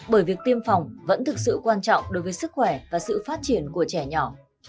bởi việc tiêm phòng vẫn thực sự quan trọng đối với sức khỏe và sự phát triển của trẻ nhỏ